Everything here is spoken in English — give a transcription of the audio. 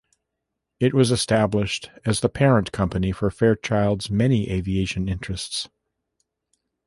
It was established as the parent company for Fairchild's many aviation interests.